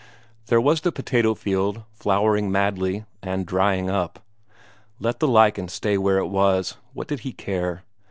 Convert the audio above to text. There was the potato field flowering madly, and drying up; let the lichen stay where it was what did he care?